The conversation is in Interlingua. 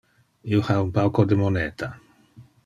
Io ha un pauco de moneta.